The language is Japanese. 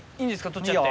取っちゃって。